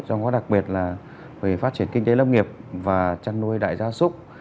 trong đó đặc biệt là về phát triển kinh tế lâm nghiệp và chăn nuôi đại gia súc